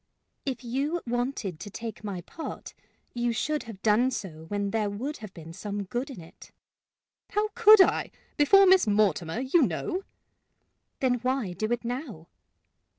"If you wanted to take my part, you should have done so when there would have been some good in it." "How could I, before Miss Mortimer, you know!" "Then why do it now?"